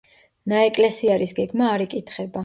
ნაეკლესიარის გეგმა არ იკითხება.